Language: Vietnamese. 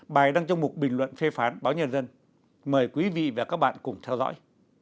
bài đăng trong một bình luận phê phán báo nhân dân mời quý vị và các bạn cùng theo dõi